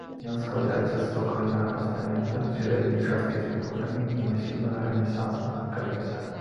Ён складаецца з цокальнага пастамента, сярэдняй часткі з фігурамі і масіўнага рэнесанснага карніза.